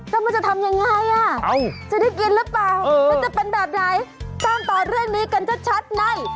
แล้วมันจะทำยังไงอ่ะจะได้กินหรือเปล่ามันจะเป็นแบบไหนตามต่อเรื่องนี้กันชัดใน